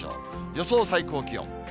予想最高気温。